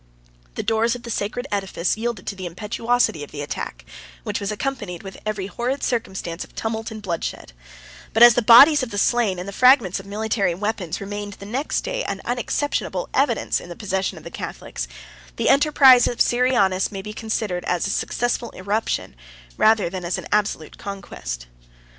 The doors of the sacred edifice yielded to the impetuosity of the attack, which was accompanied with every horrid circumstance of tumult and bloodshed; but, as the bodies of the slain, and the fragments of military weapons, remained the next day an unexceptionable evidence in the possession of the Catholics, the enterprise of Syrianus may be considered as a successful irruption rather than as an absolute conquest.